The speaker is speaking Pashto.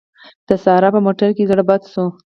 د سارې په موټر کې زړه بد شو.